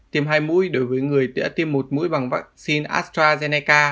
tiêm hai mũi đối với người đã tiêm một mũi bằng vaccine astrazeneca